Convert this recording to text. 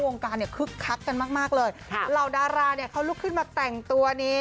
วงการเนี่ยคึกคักกันมากมากเลยค่ะเหล่าดาราเนี่ยเขาลุกขึ้นมาแต่งตัวนี้